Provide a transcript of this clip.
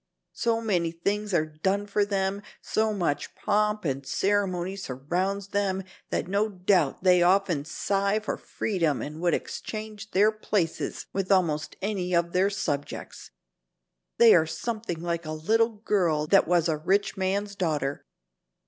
So many things are done for them, so much pomp and ceremony surrounds them, that no doubt they often sigh for freedom and would exchange their places with almost any of their subjects. They are something like a little girl that was a rich man's daughter.